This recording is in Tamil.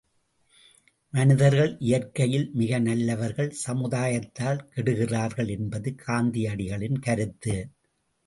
மனிதர்கள் இயற்கையில் மிக நல்லவர்கள் சமுதாயத்தால் கெடுகிறார்கள் என்பது காந்தியடிகளின் கருத்து.